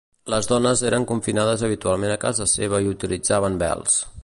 Les dones eren confinades habitualment a casa seva i utilitzaven vels.